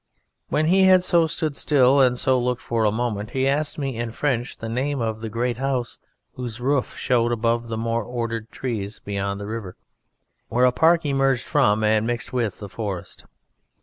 When he had so stood still and so looked for a moment he asked me in French the name of the great house whose roof showed above the more ordered trees beyond the river, where a park emerged from and mixed with the forest.